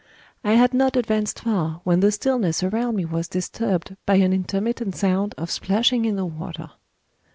I had not advanced far, when the stillness around me was disturbed by an intermittent sound of splashing in the water.